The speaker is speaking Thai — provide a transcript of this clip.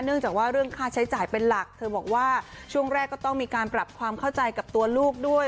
จากว่าเรื่องค่าใช้จ่ายเป็นหลักเธอบอกว่าช่วงแรกก็ต้องมีการปรับความเข้าใจกับตัวลูกด้วย